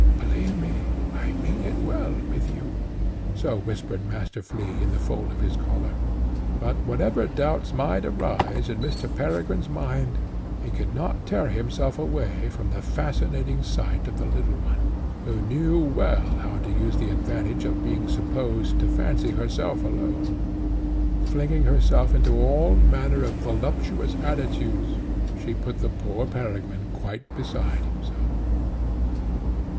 Believe me, I mean it well with you." So whispered Master Flea in the fold of his collar; but, whatever doubts might arise in Mr. Peregrine's mind, he could not tear himself away from the fascinating sight of the little one, who knew well how to use the advantage of being supposed to fancy herself alone; flinging herself into all manner of voluptuous attitudes, she put the poor Peregrine quite beside himself.